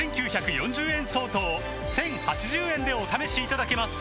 ５９４０円相当を１０８０円でお試しいただけます